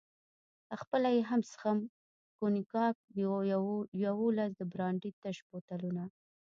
خپله یې هم څښم، کونیګاک، یوولس د برانډي تش بوتلونه.